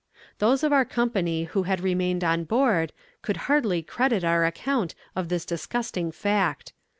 "Those of our company who had remained on board, could hardly credit our account of this disgusting fact.